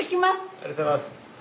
ありがとうございます。